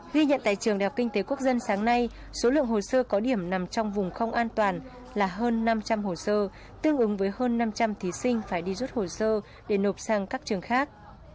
ghi nhận tại trường đại học kinh tế quốc dân sáng nay số lượng hồ sơ có điểm nằm trong vùng không an toàn là hơn năm trăm linh hồ sơ tương ứng với hơn năm trăm linh thí sinh phải đi rút hồ sơ để nộp sang các trường khác